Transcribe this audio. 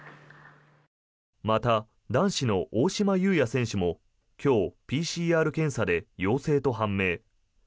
また、男子の大島祐哉選手も今日、ＰＣＲ検査で陽性と判明。